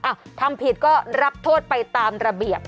ทำผิดก็รับโทษไปตามระเบียบ